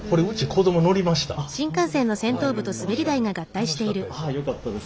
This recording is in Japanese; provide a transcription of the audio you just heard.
楽しかったです。